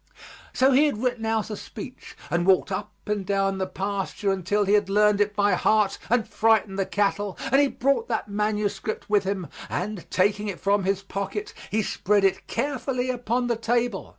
So he had written out a speech and walked up and down the pasture until he had learned it by heart and frightened the cattle, and he brought that manuscript with him, and taking it from his pocket, he spread it carefully upon the table.